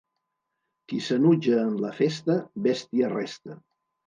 Qui s'enutja en la festa, bèstia resta.